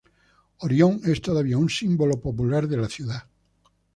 Orión es todavía un símbolo popular de la ciudad.